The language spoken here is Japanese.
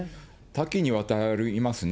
多岐にわたりますね。